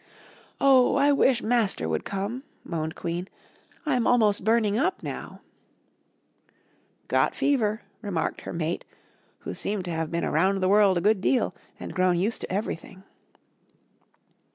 "Oh, I wish Master would come!" moaned Queen; "I am almost burning up now." "Got fever," remarked her mate, who seemed to have been around the world a good deal and grown used to everything.